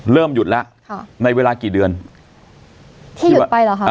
หยุดแล้วค่ะในเวลากี่เดือนที่หยุดไปเหรอคะ